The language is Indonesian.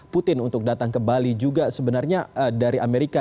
putin untuk datang ke bali juga sebenarnya dari amerika